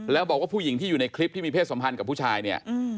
แล้วบอกว่าผู้หญิงที่อยู่ในคลิปที่มีเพศสัมพันธ์กับผู้ชายเนี่ย